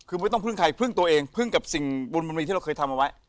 คือไม่ต้องพึ่งใครพึ่งตัวเองพึ่งกับสิ่งบุญมันมีที่เราเคยทำเอาไว้